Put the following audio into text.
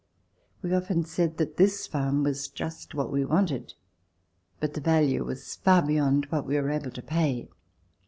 We often said that this farm was just what we wanted, but the value was far be yond what we were able to pay.